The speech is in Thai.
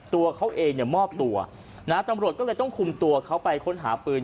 ตัวเขาเองเนี่ยมอบตัวนะตำรวจก็เลยต้องคุมตัวเขาไปค้นหาปืน